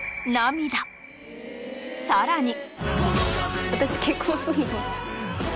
さらに。